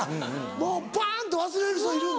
もうパンと忘れる人いるんだ。